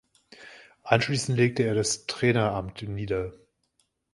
Anschließend legte er das Traineramt nieder.